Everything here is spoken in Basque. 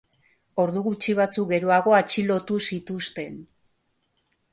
Ordu gutxi batzuk geroago atxilotu zituzten.